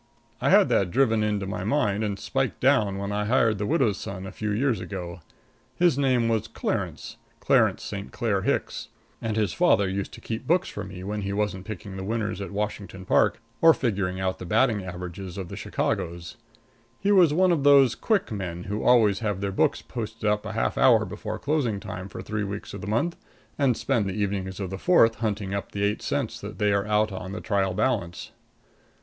I had that driven into my mind and spiked down when I hired the widow's son a few years ago. His name was Clarence Clarence St. Clair Hicks and his father used to keep books for me when he wasn't picking the winners at Washington Park or figuring out the batting averages of the Chicagos. He was one of those quick men who always have their books posted up half an hour before closing time for three weeks of the month, and spend the evenings of the fourth hunting up the eight cents that they are out on the trial balance.